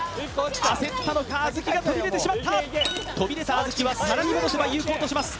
焦ったのか小豆が飛び出てしまった飛び出た小豆は皿に戻せば有効とします